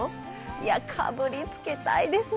いや、かぶりつきたいですね。